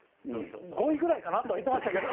５位ぐらいかなとは言ってましたけど。